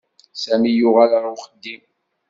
Sami yuɣal ɣer uxeddim.